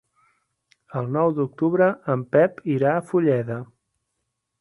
El nou d'octubre en Pep irà a Fulleda.